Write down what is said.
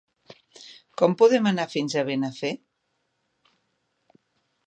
Com podem anar fins a Benafer?